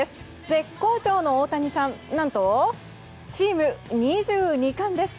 絶好調の大谷さん何とチーム２２冠です！